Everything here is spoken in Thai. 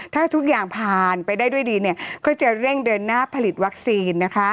ถ้าทุกอย่างผ่านไปได้ด้วยดีเนี่ยก็จะเร่งเดินหน้าผลิตวัคซีนนะคะ